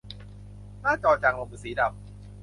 หน้าจอจางลงเป็นสีดำ